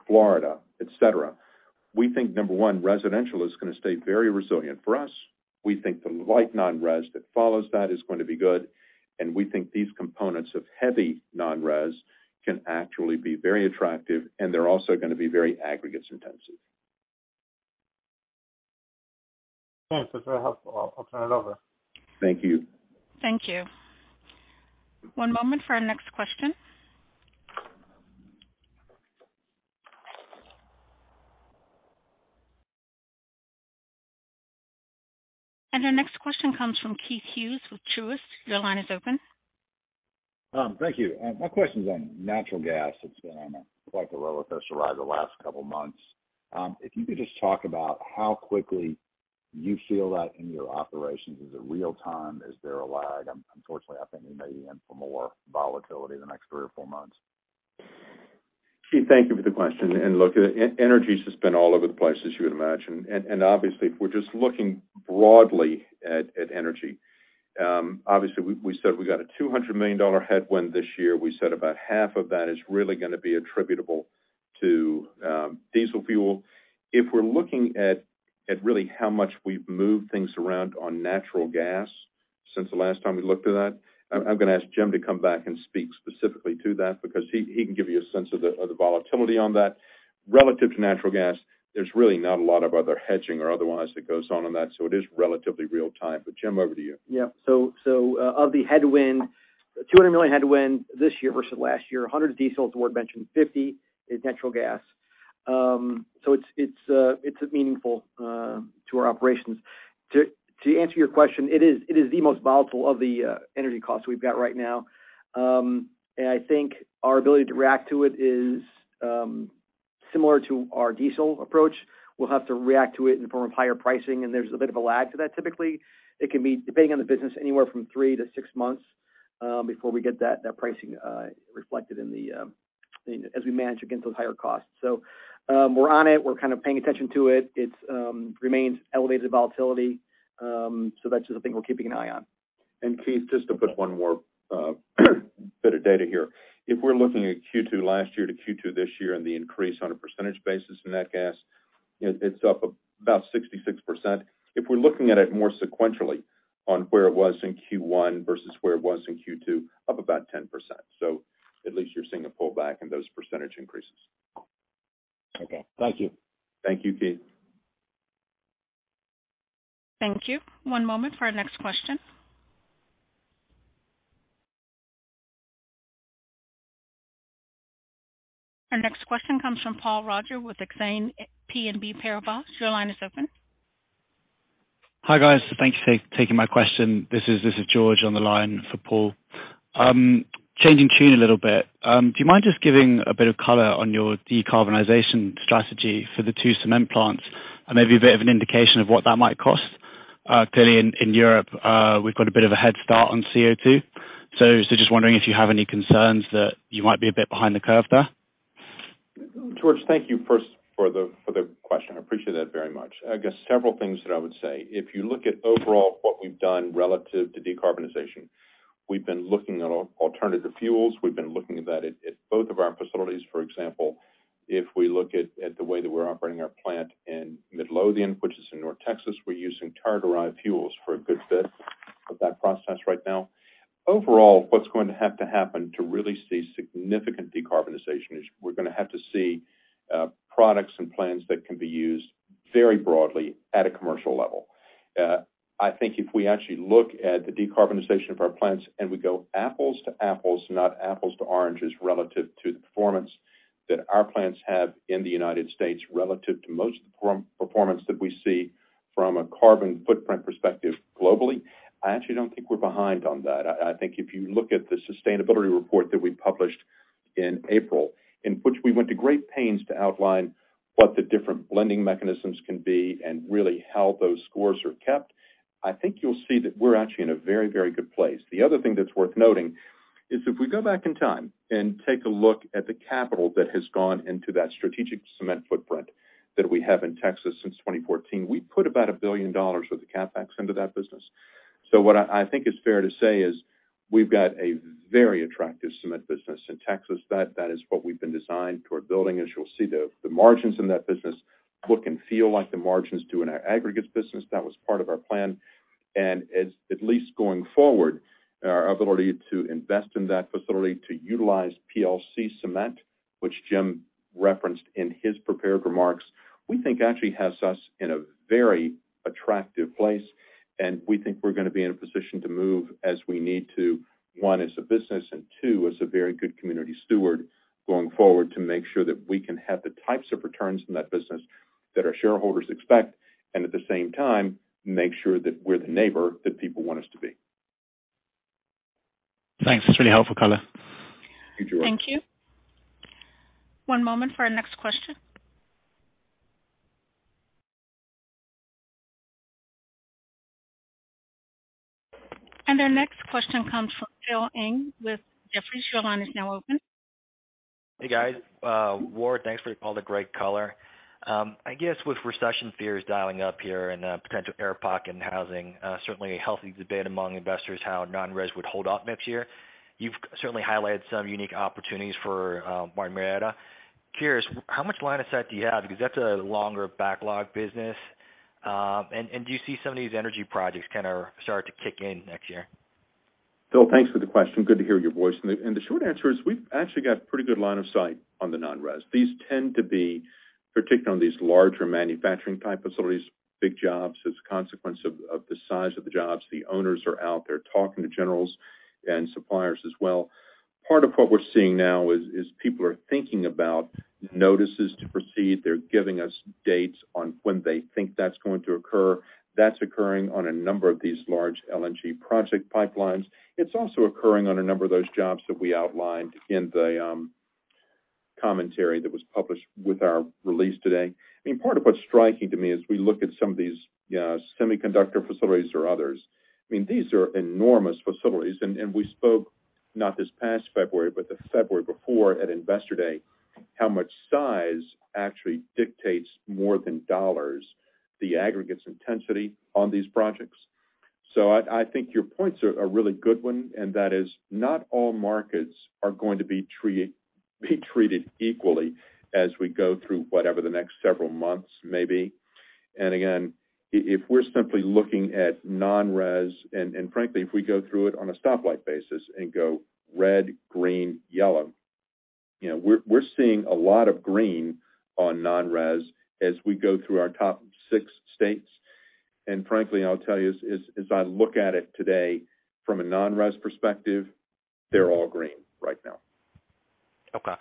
Florida, et cetera, we think, number one, residential is gonna stay very resilient for us. We think the light non-res that follows that is going to be good, and we think these components of heavy non-res can actually be very attractive, and they're also gonna be very aggregates intensive. Thanks. That's very helpful. I'll turn it over. Thank you. Thank you. One moment for our next question. Our next question comes from Keith Hughes with Truist. Your line is open. Thank you. My question's on natural gas. It's been on quite the rollercoaster ride the last couple months. If you could just talk about how quickly you feel that in your operations. Is it real time? Is there a lag? Unfortunately, I think we may be in for more volatility the next three or four months. Keith, thank you for the question. Look, energy's just been all over the place, as you would imagine. Obviously, if we're just looking broadly at energy, we said we got a $200 million headwind this year. We said about half of that is really gonna be attributable to diesel fuel. If we're looking at really how much we've moved things around on natural gas since the last time we looked at that, I'm gonna ask Jim to come back and speak specifically to that because he can give you a sense of the volatility on that. Relative to natural gas, there's really not a lot of other hedging or otherwise that goes on on that, so it is relatively real time. Jim, over to you. Yeah. Of the headwind, the $200 million headwind this year versus last year, $100 million diesel as Ward mentioned, $50 million natural gas. It's meaningful to our operations. To answer your question, it is the most volatile of the energy costs we've got right now. I think our ability to react to it is similar to our diesel approach. We'll have to react to it in the form of higher pricing, and there's a bit of a lag to that. Typically, it can be, depending on the business, anywhere from three to six months before we get that pricing reflected in them as we manage against those higher costs. We're on it. We're kind of paying attention to it. It remains elevated volatility. That's just something we're keeping an eye on. Keith, just to put one more bit of data here. If we're looking at Q2 last year to Q2 this year and the increase on a percentage basis in nat gas, it's up about 66%. If we're looking at it more sequentially on where it was in Q1 versus where it was in Q2, up about 10%. At least you're seeing a pullback in those percentage increases. Okay. Thank you. Thank you, Keith. Thank you. One moment for our next question. Our next question comes from Paul Roger with Exane BNP Paribas. Your line is open. Hi, guys. Thank you for taking my question. This is George on the line for Paul. Changing tune a little bit. Do you mind just giving a bit of color on your decarbonization strategy for the two cement plants and maybe a bit of an indication of what that might cost? Clearly in Europe, we've got a bit of a head start on CO2. Just wondering if you have any concerns that you might be a bit behind the curve there. George, thank you first for the question. I appreciate that very much. I guess several things that I would say. If you look at overall what we've done relative to decarbonization, we've been looking at alternative fuels. We've been looking at that at both of our facilities. For example, if we look at the way that we're operating our plant in Midlothian, which is in North Texas, we're using tire-derived fuels for a good bit of that process right now. Overall, what's going to have to happen to really see significant decarbonization is we're gonna have to see products and plans that can be used very broadly at a commercial level. I think if we actually look at the decarbonization of our plants and we go apples to apples, not apples to oranges, relative to the performance that our plants have in the United States relative to most of the per-performance that we see from a carbon footprint perspective globally, I actually don't think we're behind on that. I think if you look at the sustainability report that we published in April, in which we went to great pains to outline what the different blending mechanisms can be and really how those scores are kept, I think you'll see that we're actually in a very, very good place. The other thing that's worth noting is if we go back in time and take a look at the capital that has gone into that strategic cement footprint that we have in Texas since 2014, we put about $1 billion worth of CapEx into that business. What I think is fair to say is we've got a very attractive cement business in Texas. That is what we've been designed toward building. As you'll see the margins in that business look and feel like the margins do in our aggregates business. That was part of our plan. As at least going forward, our ability to invest in that facility, to utilize PLC cement, which Jim referenced in his prepared remarks, we think actually has us in a very attractive place. We think we're gonna be in a position to move as we need to, one, as a business, and two, as a very good community steward going forward to make sure that we can have the types of returns from that business that our shareholders expect, and at the same time, make sure that we're the neighbor that people want us to be. Thanks. That's really helpful color. Thank you, George. Thank you. One moment for our next question. Our next question comes from Phil Ng with Jefferies. Your line is now open. Hey, guys. Ward, thanks for all the great color. I guess with recession fears dialing up here and potential air pocket in housing, certainly a healthy debate among investors how non-res would hold up next year. You've certainly highlighted some unique opportunities for Martin Marietta. Curious, how much line of sight do you have? Because that's a longer backlog business. And do you see some of these energy projects kind of start to kick in next year? Phil, thanks for the question. Good to hear your voice. The short answer is we've actually got pretty good line of sight on the non-res. These tend to be, particularly on these larger manufacturing type facilities, big jobs as a consequence of the size of the jobs. The owners are out there talking to generals and suppliers as well. Part of what we're seeing now is people are thinking about notices to proceed. They're giving us dates on when they think that's going to occur. That's occurring on a number of these large LNG project pipelines. It's also occurring on a number of those jobs that we outlined in the commentary that was published with our release today. I mean, part of what's striking to me as we look at some of these semiconductor facilities or others, I mean, these are enormous facilities. We spoke, not this past February, but the February before at Investor Day, how much size actually dictates more than dollars the aggregates intensity on these projects. I think your points are a really good one, and that is not all markets are going to be treated equally as we go through whatever the next several months may be. If we're simply looking at non-res, and frankly, if we go through it on a stoplight basis and go red, green, yellow, you know, we're seeing a lot of green on non-res as we go through our top six states. Frankly, I'll tell you, as I look at it today from a non-res perspective, they're all green right now. Okay.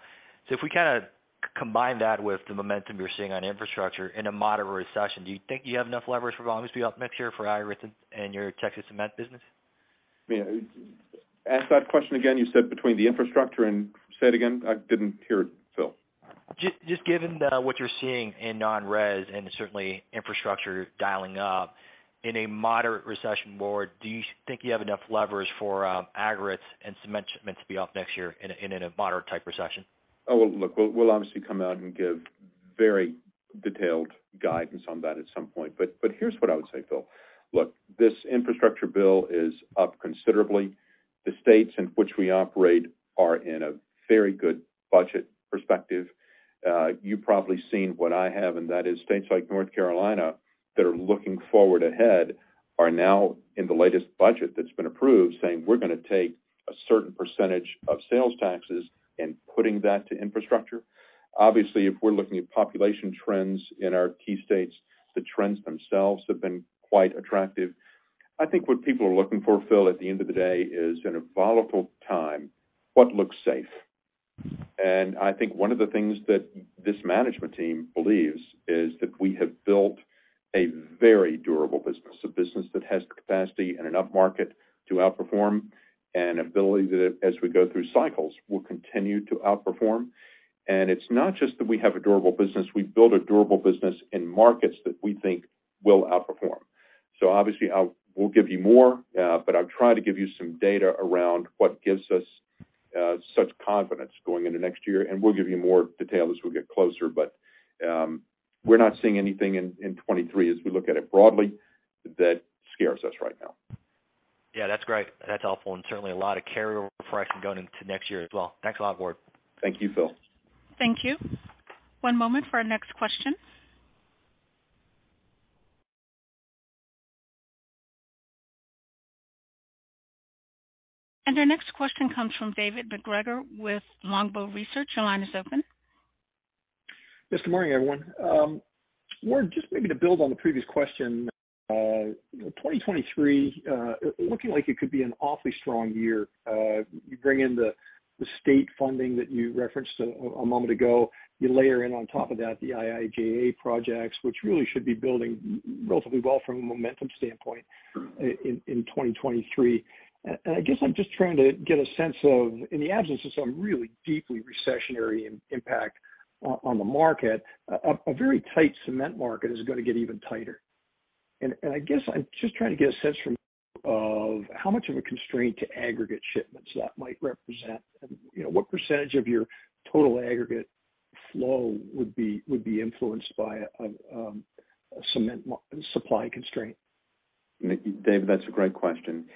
If we kinda combine that with the momentum you're seeing on infrastructure in a moderate recession, do you think you have enough leverage for volumes to be up next year for aggregates and your Texas cement business? Ask that question again. You said between the infrastructure and. Say it again, I didn't hear it, Phil. Just given what you're seeing in non-res and certainly infrastructure dialing up in a moderate recession, Ward, do you think you have enough levers for aggregates and cement shipments to be up next year in a moderate type recession? Oh, look, we'll obviously come out and give very detailed guidance on that at some point, but here's what I would say, Phil. Look, this infrastructure bill is up considerably. The states in which we operate are in a very good budget perspective. You've probably seen what I have, and that is states like North Carolina that are looking forward ahead are now in the latest budget that's been approved, saying we're gonna take a certain percentage of sales taxes and putting that to infrastructure. Obviously, if we're looking at population trends in our key states, the trends themselves have been quite attractive. I think what people are looking for, Phil, at the end of the day, is in a volatile time, what looks safe. I think one of the things that this management team believes is that we have built a very durable business, a business that has the capacity and enough market to outperform, and ability to, as we go through cycles, will continue to outperform. It's not just that we have a durable business. We build a durable business in markets that we think will outperform. Obviously we'll give you more, but I'll try to give you some data around what gives us such confidence going into next year, and we'll give you more detail as we get closer. We're not seeing anything in 2023 as we look at it broadly that scares us right now. Yeah, that's great. That's helpful, and certainly a lot of carryover for us going into next year as well. Thanks a lot, Ward. Thank you, Phil. Thank you. One moment for our next question. Our next question comes from David MacGregor with Longbow Research. Your line is open. Yes, good morning, everyone. Ward, just maybe to build on the previous question, you know, 2023 looking like it could be an awfully strong year. You bring in the state funding that you referenced a moment ago. You layer in on top of that the IIJA projects, which really should be building relatively well from a momentum standpoint in 2023. I guess I'm just trying to get a sense of, in the absence of some really deeply recessionary impact on the market, a very tight cement market is gonna get even tighter. I guess I'm just trying to get a sense from you of how much of a constraint to aggregate shipments that might represent, and, you know, what percentage of your total aggregate flow would be influenced by a cement market supply constraint? David, that's a great question.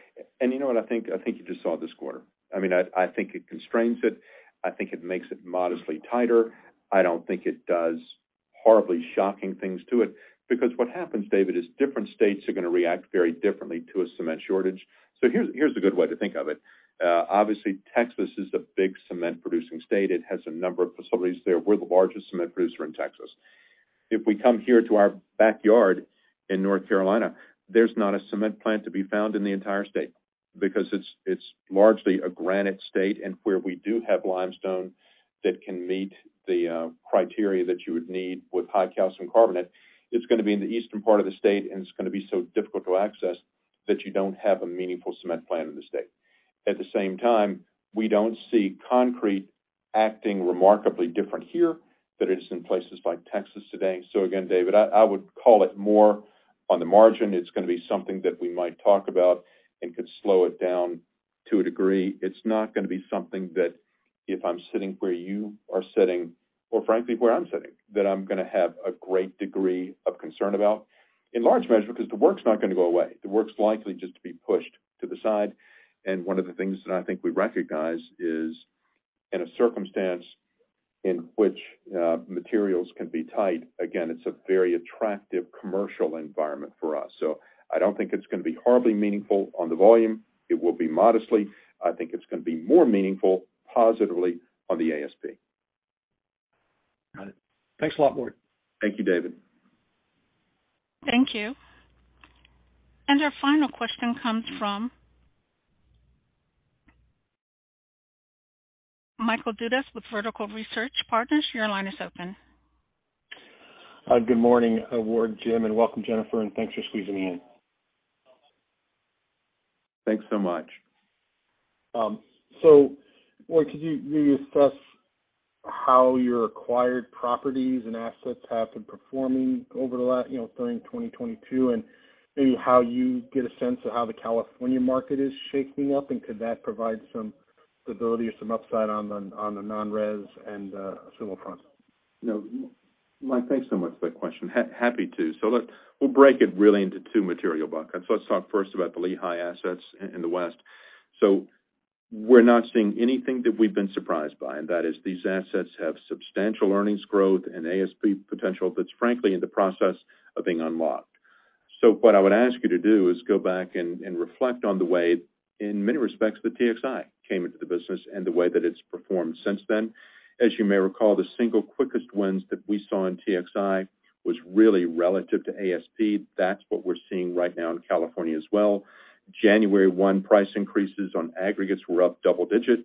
You know what I think? I think you just saw this quarter. I mean, I think it constrains it. I think it makes it modestly tighter. I don't think it does horribly shocking things to it because what happens, David, is different states are gonna react very differently to a cement shortage. Here's a good way to think of it. Obviously, Texas is the big cement producing state. It has a number of facilities there. We're the largest cement producer in Texas. If we come here to our backyard in North Carolina, there's not a cement plant to be found in the entire state because it's largely a granite state. Where we do have limestone that can meet the criteria that you would need with high calcium carbonate, it's gonna be in the eastern part of the state, and it's gonna be so difficult to access that you don't have a meaningful cement plant in the state. At the same time, we don't see concrete acting remarkably different here than it is in places like Texas today. Again, David, I would call it more on the margin. It's gonna be something that we might talk about and could slow it down to a degree. It's not gonna be something that if I'm sitting where you are sitting or frankly where I'm sitting, that I'm gonna have a great degree of concern about in large measure because the work's not gonna go away. The work's likely just to be pushed to the side. One of the things that I think we recognize is in a circumstance in which, materials can be tight, again, it's a very attractive commercial environment for us. I don't think it's gonna be horribly meaningful on the volume. It will be modestly. I think it's gonna be more meaningful positively on the ASP. Got it. Thanks a lot, Ward. Thank you, David. Thank you. Our final question comes from Michael Dudas with Vertical Research Partners. Your line is open. Good morning, Ward, Jim, and welcome, Jennifer, and thanks for squeezing me in. Thanks so much. Ward, could you really assess how your acquired properties and assets have been performing over the last, you know, during 2022, and maybe how you get a sense of how the California market is shaping up, and could that provide some stability or some upside on the non-res and cement fronts? You know, Mike, thanks so much for that question. Happy to. We'll break it really into two material buckets. Let's talk first about the Lehigh assets in the West. We're not seeing anything that we've been surprised by, and that is these assets have substantial earnings growth and ASP potential that's frankly in the process of being unlocked. What I would ask you to do is go back and reflect on the way, in many respects, that TXI came into the business and the way that it's performed since then. As you may recall, the single quickest wins that we saw in TXI was really relative to ASP. That's what we're seeing right now in California as well. January 1 price increases on aggregates were up double digit.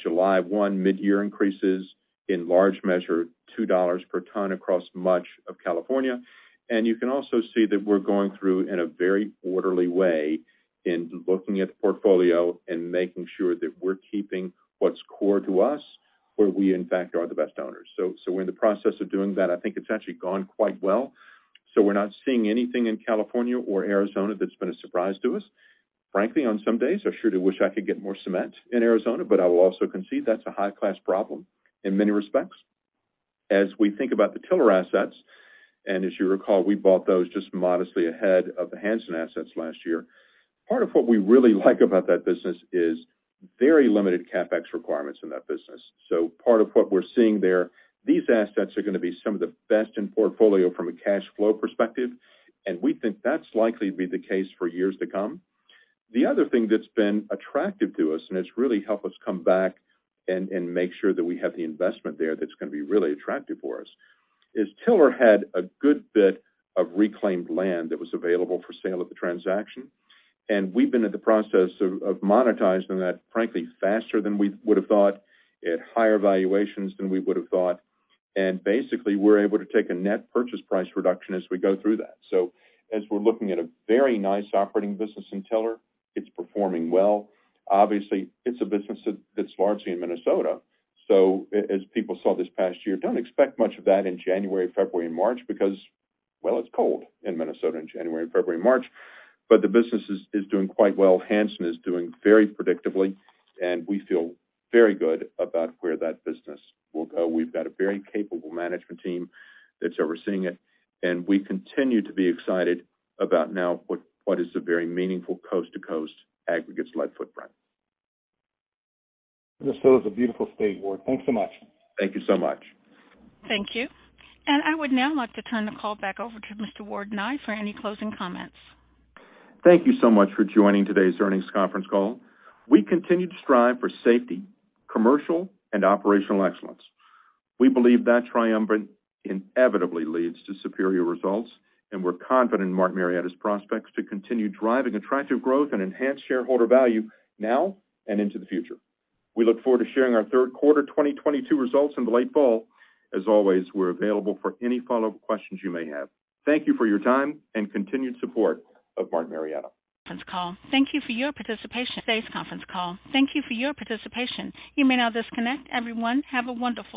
July 1 mid-year increases in large measure, $2 per ton across much of California. You can also see that we're going through in a very orderly way in looking at the portfolio and making sure that we're keeping what's core to us where we in fact are the best owners. We're in the process of doing that. I think it's actually gone quite well. We're not seeing anything in California or Arizona that's been a surprise to us. Frankly, on some days, I sure do wish I could get more cement in Arizona, but I will also concede that's a high-class problem in many respects. As we think about the Tiller assets, and as you recall, we bought those just modestly ahead of the Hanson assets last year. Part of what we really like about that business is very limited CapEx requirements in that business. Part of what we're seeing there, these assets are gonna be some of the best in portfolio from a cash flow perspective, and we think that's likely to be the case for years to come. The other thing that's been attractive to us, and it's really helped us come back and make sure that we have the investment there that's gonna be really attractive for us, is Tiller had a good bit of reclaimed land that was available for sale at the transaction. We've been in the process of monetizing that, frankly, faster than we would have thought, at higher valuations than we would have thought. Basically, we're able to take a net purchase price reduction as we go through that. As we're looking at a very nice operating business in Tiller, it's performing well. Obviously it's a business that that's largely in Minnesota. As people saw this past year, don't expect much of that in January, February and March because, well, it's cold in Minnesota in January, February and March. The business is doing quite well. Hanson is doing very predictably, and we feel very good about where that business will go. We've got a very capable management team that's overseeing it, and we continue to be excited about now what is a very meaningful coast-to-coast aggregates-like footprint. Minnesota is a beautiful state, Ward. Thanks so much. Thank you so much. Thank you. I would now like to turn the call back over to Mr. Ward Nye for any closing comments. Thank you so much for joining today's earnings conference call. We continue to strive for safety, commercial and operational excellence. We believe that triumvirate inevitably leads to superior results, and we're confident in Martin Marietta's prospects to continue driving attractive growth and enhance shareholder value now and into the future. We look forward to sharing our third quarter 2022 results in the late fall. As always, we're available for any follow-up questions you may have. Thank you for your time and continued support of Martin Marietta. Conference call. Thank you for your participation in today's conference call. Thank you for your participation. You may now disconnect. Everyone, have a wonderful day.